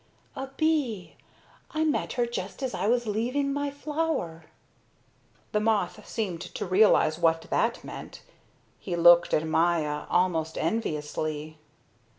"A bee. I met her just as I was leaving my flower." The moth seemed to realize what that meant. He looked at Maya almost enviously.